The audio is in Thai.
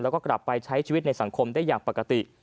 แล้วก็กลับไปใช้ชีวิตในสังคมได้อย่างปกติ